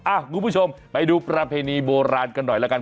คุณผู้ชมไปดูประเพณีโบราณกันหน่อยแล้วกัน